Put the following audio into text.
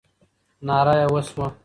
ناره یې وسوه.